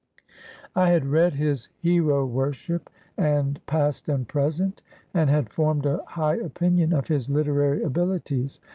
I had read his ' Hero Worship J and ' Past and Present,' and had formed a high opinion of his literary abilities.